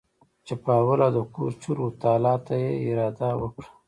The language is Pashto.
چپاول او د کور چور او تالا ته اراده وکړه.